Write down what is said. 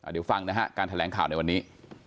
เดี๋ยวฟังนะฮะการแถลงข่าวในวันนี้